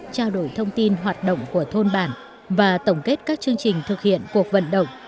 trao đổi thông tin hoạt động của thôn bản và tổng kết các chương trình thực hiện cuộc vận động